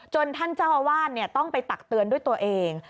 ท่านเจ้าอาวาสต้องไปตักเตือนด้วยตัวเอง